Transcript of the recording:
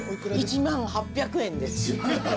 １万８００円です。